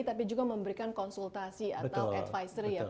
tapi juga memberikan konsultasi atau advisory ya